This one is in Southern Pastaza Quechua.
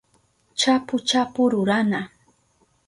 chapu chapu rurana